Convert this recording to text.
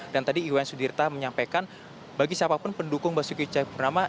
dan tadi iwaya sudirta menyampaikan bagi siapa pun pendukung basuki ceyapurnama